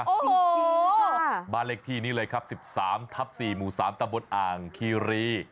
โอ้โหบาเลกที่นี่เลยครับ๑๓ทับ๔หมู่๓ตะบดอ่างคีรี